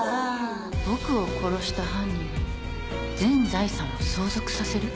僕を殺した犯人に全財産を相続させる？